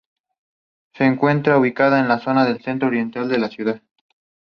Carece, de forma general, de las garantías constitucionales propias del Estado de derecho.